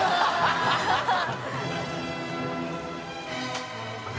ハハハ